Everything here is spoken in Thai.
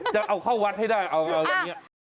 จะเอาเข้าวัดให้ได้เอาวันนี้